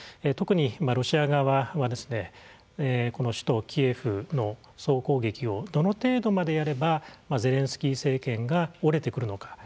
特にロシア側はこの首都キエフの総攻撃をどの程度までやればゼレンスキー政権が折れてくるのか。